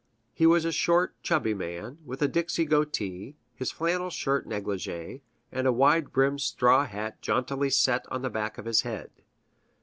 He was a short, chubby man, with a Dixie goatee, his flannel shirt negligée, and a wide brimmed straw hat jauntily set on the back of his head.